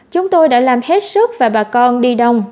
chúng tôi đã làm hết sức và bà con đi đông